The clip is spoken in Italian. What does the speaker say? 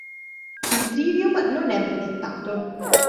Il Trivium non è brevettato.